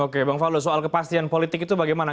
oke bang fallu soal kepastian politik itu bagaimana